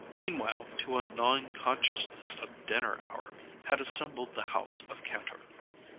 Meanwhile to a gnawing consciousness of dinner hour had assembled the house of Kantor.